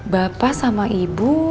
bapak sama ibu